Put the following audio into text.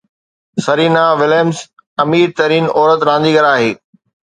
Serena Williams امير ترين عورت رانديگر آهي